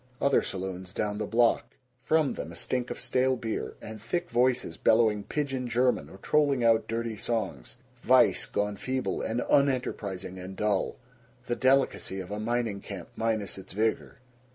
Other saloons down the block. From them a stink of stale beer, and thick voices bellowing pidgin German or trolling out dirty songs vice gone feeble and unenterprising and dull the delicacy of a mining camp minus its vigor.